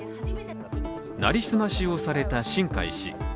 成り済ましをされた新開氏。